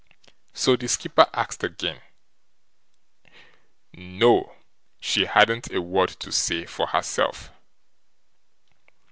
So the skipper asked again. No! she hadn't a word to say for herself.